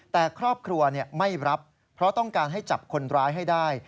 แต่ครอบครัวไม่รับเพราะต้องการให้จับคนร้ายให้ได้